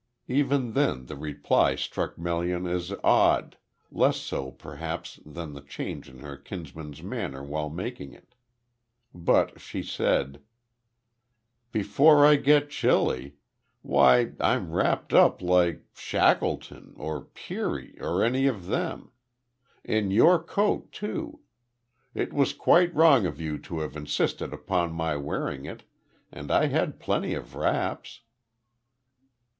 Even then the reply struck Melian as odd, less so perhaps than the change in her kinsman's manner while making it. But she said: "Before I get chilly. Why I'm wrapped up like Shackleton, or Peary, or any of them. In your coat too. It was quite wrong of you to have insisted upon my wearing it, and I had plenty of wraps."